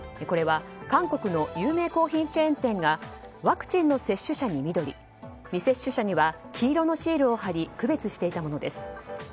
これは韓国の有名コーヒーチェーン店がワクチンの接種者に緑未接種者には黄色のシールを貼り区別していたものです。